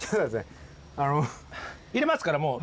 入れますからもう。